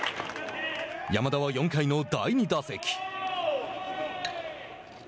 山田は４回の第２打席。